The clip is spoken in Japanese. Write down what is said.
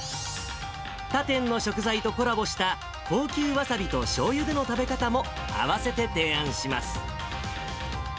他店の食材とコラボした高級わさびとしょうゆでの食べ方も併せて提案します。